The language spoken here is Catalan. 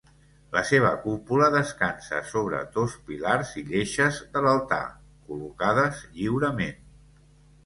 La seva cúpula descansa sobre dos pilars i lleixes de l'altar, col·locades lliurement.